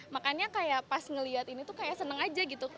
makanya kayak pas ngeliat ini tuh kayak seneng aja gitu